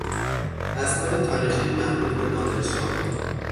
اسناد تاریخی مربوط به نادرشاه